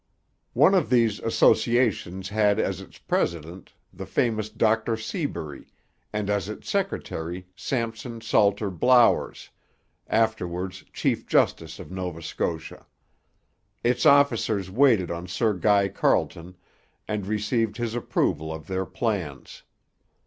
One of these associations had as its president the famous Dr Seabury, and as its secretary Sampson Salter Blowers, afterwards chief justice of Nova Scotia. Its officers waited on Sir Guy Carleton, and received his approval of their plans.